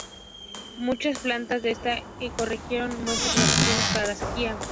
Muchas plantas de esta ecorregión muestran adaptaciones para la sequía.